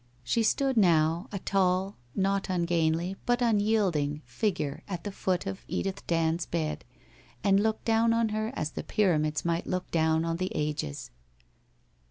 She stood now, a tall, not un gainly, but unyielding, figure at the foot of Edith Dand's bed, and looked down on her as the Pyramids might look down on tlic ages.